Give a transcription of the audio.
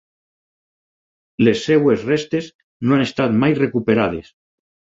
Les seves restes no han estat mai recuperades.